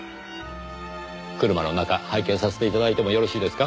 車の中拝見させて頂いてもよろしいですか？